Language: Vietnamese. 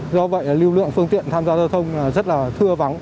do vậy lưu lượng phương tiện tham gia giao thông rất là thưa vắng